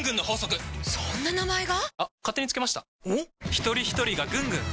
ひとりひとりがぐんぐん！